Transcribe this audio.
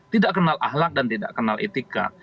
tidak kenal ahlak dan tidak kenal etika